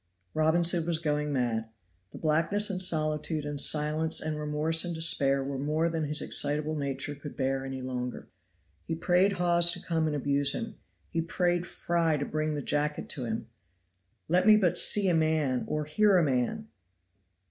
Robinson was going mad. The blackness and solitude and silence and remorse and despair were more than his excitable nature could bear any longer. He prayed Hawes to come and abuse him. He prayed Fry to bring the jacket to him. "Let me but see a man, or hear a man!"